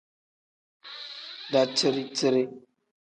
Daciri-ciri.